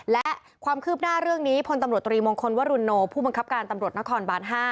และความคืบหน้าเรื่องนี้พลตำรวจตรีมงคลวรุโนผู้บังคับการตำรวจนครบาน๕